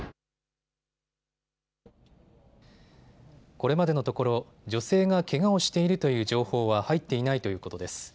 これまでのところ女性がけがをしているという情報は入っていないということです。